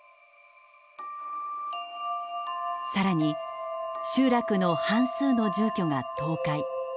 更に集落の半数の住居が倒壊。